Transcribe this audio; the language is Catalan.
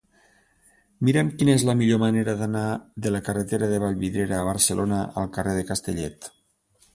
Mira'm quina és la millor manera d'anar de la carretera de Vallvidrera a Barcelona al carrer de Castellet.